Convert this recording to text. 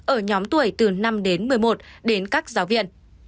ở nhóm tuổi từ năm đến một mươi một đến các giáo viên